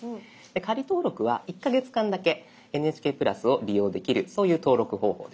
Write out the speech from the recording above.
「仮登録」は１か月間だけ「ＮＨＫプラス」を利用できるそういう登録方法です。